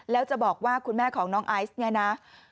แล้วจะบอกว่าคุณแม่ของน้องไอซ์เนี่ยนะ